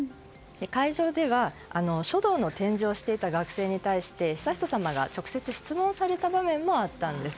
会場では書道の展示をしていた学生に対して悠仁さまが直接質問された場面もあったんです。